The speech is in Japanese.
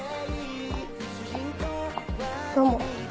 どうも。